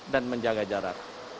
dan menjaga jarak